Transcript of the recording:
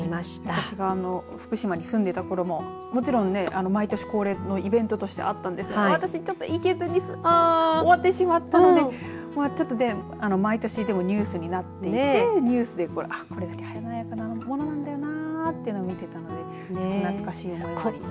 私が福島に住んでいた頃ももちろん毎年恒例のイベントとしてあったんですけど私ちょっと行けずに終わってしまったのでちょっとね毎年ニュースになっていてニュースで、これだけ華やかなものなんだよなと思っていたので懐かしい思いもあり。